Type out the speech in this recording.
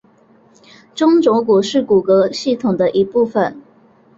中轴骨是骨骼系统的一部分。